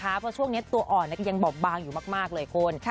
เพราะช่วงนี้ตัวอ่อนก็ยังบอบบางอยู่มากเลยคุณ